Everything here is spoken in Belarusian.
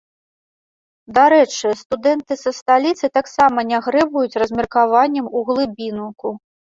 Дарэчы, студэнты са сталіцы таксама не грэбуюць размеркаваннем у глыбінку.